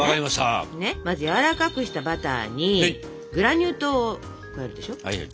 まずやわらかくしたバターにグラニュー糖を加えるでしょ。